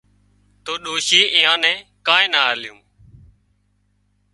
تو ڏوشيئي ايئان نين ڪانئين نا آليون